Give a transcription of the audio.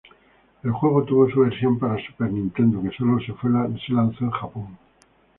El juego tuvo su versión para Super Nintendo pero solo fue lanzada en Japón.